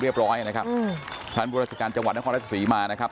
เรียบร้อยนะครับท่านบริษัทการจังหวัดนครรัฐศรีมานะครับ